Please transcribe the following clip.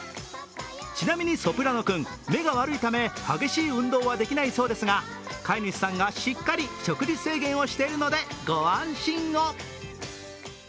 ちなみにソプラノ君、目が悪いため激しい運動はできないそうですが飼い主さんがしっかり食事制限しているのでご安心を。